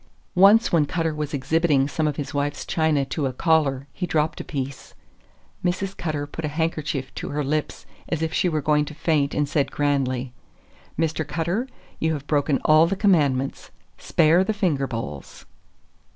Once when Cutter was exhibiting some of his wife's china to a caller, he dropped a piece. Mrs. Cutter put her handkerchief to her lips as if she were going to faint and said grandly: "Mr. Cutter, you have broken all the Commandments—spare the finger bowls!"